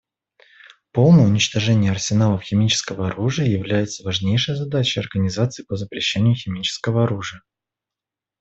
Полное уничтожение арсеналов химического оружия является важнейшей задачей Организации по запрещению химического оружия.